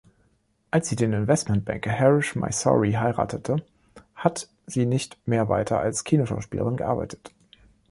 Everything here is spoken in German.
Als sie den Investmentbanker Harish Mysore heiratete, hat sie nicht mehr weiter als Kinoschauspielerin gearbeitet.